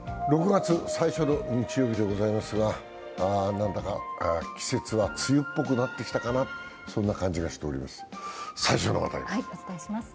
６月最初の日曜日でございますが、季節は梅雨っぽくなってきたかなという感じがしております。